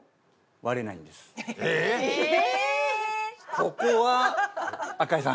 ここは赤井さん。